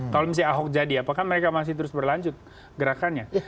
kalau misalnya ahok jadi apakah mereka masih terus berlanjut gerakannya